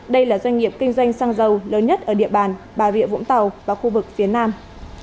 đây là doanh nghiệp kinh doanh xăng dầu lớn nhất ở địa bàn bà rịa vũng tàu và khu vực phía nam